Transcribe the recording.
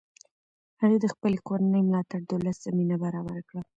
هغې د خپلې کورنۍ ملاتړ د لوست زمینه برابره کړه.